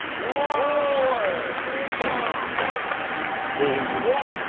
こういう切り口で。